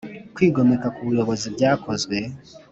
kwigomeka ku buyobozi byakozwe.